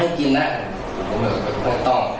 ผมบอกว่าไม่ต้อง